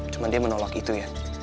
cuma dia menolak itu ya